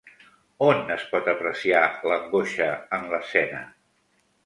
On es pot apreciar l'angoixa en l'escena?